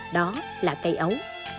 đó là cây ấu